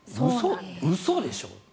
嘘でしょ？と。